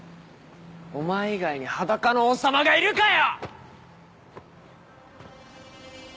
お前以外に裸の王様がいるかよ！